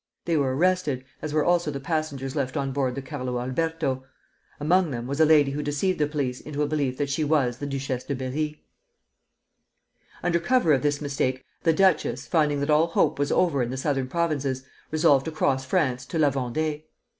They were arrested, as were also the passengers left on board the "Carlo Alberto," among them was a lady who deceived the police into a belief that she was the Duchesse de Bern. Under cover of this mistake the duchess, finding that all hope was over in the southern provinces, resolved to cross France to La Vendée.